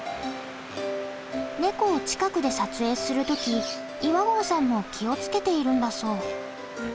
ネコを近くで撮影する時岩合さんも気を付けているんだそう。